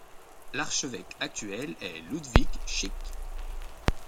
L'archevêque actuel est Ludwig Schick.